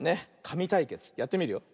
かみたいけつやってみるよ。